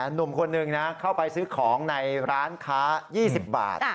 หนุ่มคนหนึ่งนะเข้าไปซื้อของในร้านค้า๒๐บาท